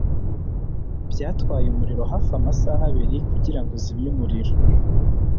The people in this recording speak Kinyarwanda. Byatwaye umuriro hafi amasaha abiri kugirango uzimye umuriro